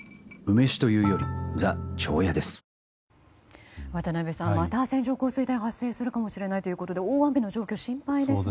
はぁ渡辺さん、また線状降水帯発生するかもということで大雨の状況が心配ですね。